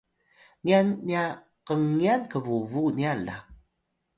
nyan nya kngyan qbubu nya la